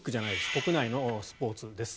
屋内のスポーツです。